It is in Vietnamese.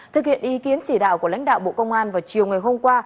thực hiện ý kiến chỉ đạo của lãnh đạo bộ công an vào chiều ngày hôm qua